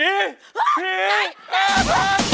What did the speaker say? รองได้ให้ลาด